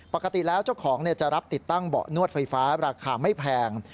ปกติแล้วเจ้าของจะรับติดตั้งเบาะนวดไฟฟ้าราคาไม่แพง